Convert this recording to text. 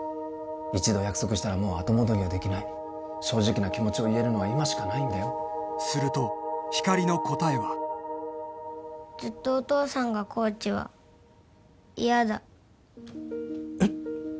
一度約束したらもう後戻りはできない正直な気持ちを言えるのは今しかないんだよするとひかりの答えはずっとお父さんがコーチは嫌だえっ！？